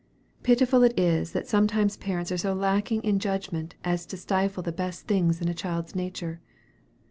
Pitiful it is that sometimes parents are so lacking in judgment as to stifle the best things in a child's nature!